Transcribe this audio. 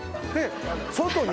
外に。